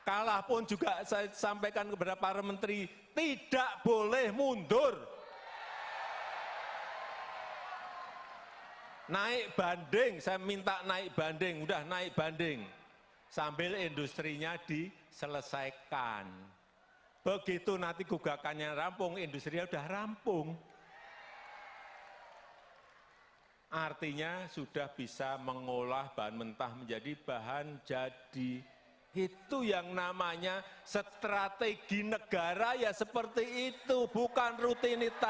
oleh sebab itu sekali lagi ke depan negara ini butuh kepemimpinan yang kuat